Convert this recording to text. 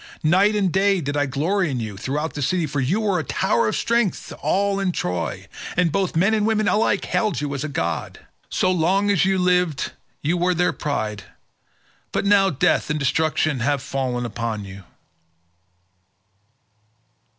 Night and day did I glory in you throughout the city, for you were a tower of strength to all in Troy, and both men and women alike hailed you as a god. So long as you lived you were their pride, but now death and destruction have fallen upon you."